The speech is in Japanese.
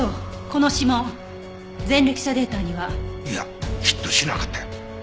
この指紋前歴者データには？いやヒットしなかったよ。